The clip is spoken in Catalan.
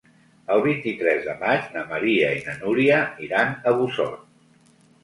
El vint-i-tres de maig na Maria i na Núria iran a Busot.